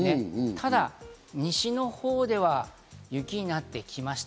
ただ西のほうでは雪になってきました。